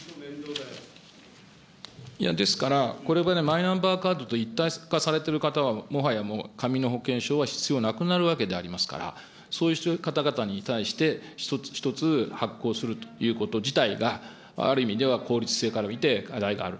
ですから、これまでマイナンバーカードと一体化されている方は、もはや紙の保険証は必要なくなるわけでありますから、そういう方々に対して、一つ一つ発行するということ自体が、ある意味では効率性から見て、課題がある。